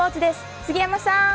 杉山さん！